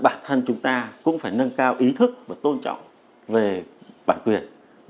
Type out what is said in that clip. bản thân chúng ta cũng phải nâng cao ý thức và tôn trọng về bản quyền